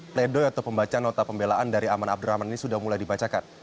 pledoi atau pembacaan nota pembelaan dari aman abdurrahman ini sudah mulai dibacakan